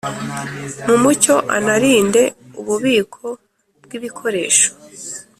mu mucyo anarinde ububiko bw ibikoresho